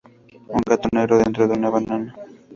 Un gato negro dentro de una banana.